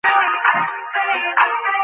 জানো, আমি সাধারণত এখানে ফ্রিতে ঢুকতে দিই না।